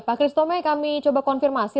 pak christo umey kami coba konfirmasi